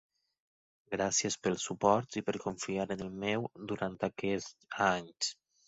Gràcies pel suport i per confiar en el meu durant aquests anys.